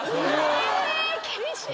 ええ厳しい。